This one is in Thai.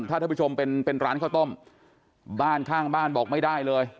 ถ้าท่านผู้ชมเป็นเป็นร้านข้าวต้มบ้านข้างบ้านบอกไม่ได้เลย